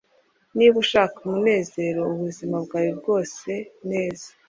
niba ushaka umunezero ubuzima bwawe bwose, neza